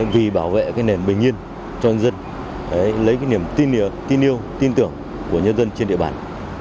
vì bảo vệ cái nền bình yên cho nhân dân lấy cái niềm tin yêu tin tưởng của nhân dân trên địa bàn